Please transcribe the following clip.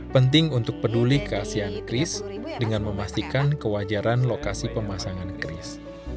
penting untuk peduli keasian kris dengan memastikan kewajaran lokasi pemasangan kris